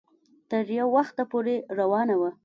تر يو وخته پورې روانه وه